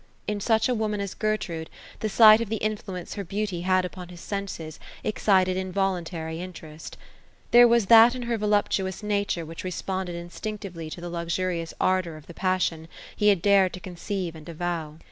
Iji such a woman as Gertrude, the sight of the influence her beauty had upon his senses, excited involuntary interest There was that in her voluptuous nature, which responded instinctively to the luxurious ardour of the passion he had dared to conceive and avow.